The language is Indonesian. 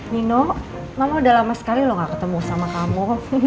nino mama sudah lama sekali tidak ketemu sama kamu